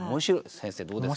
先生どうですか？